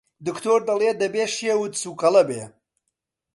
دکتۆر دەڵێ دەبێ شێوت سووکەڵە بێ!